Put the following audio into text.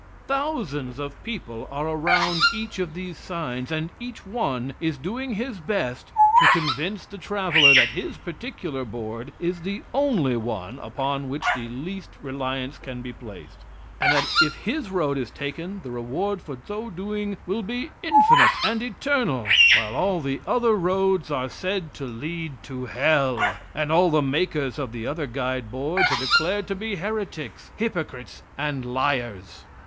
Thousands of people are around each of these signs, and each one is doing his best to convince the traveler that his particular board is the only one upon which the least reliance can be placed, and that if his road is taken the reward for so doing will be infinite and eternal, while all the other roads are said to lead to hell, and all the makers of the other guideboards are declared to be heretics, hypocrites, and liars.